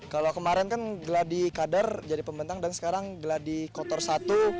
kalau kemarin kan geladi kader jadi pembentang dan sekarang geladi kotor satu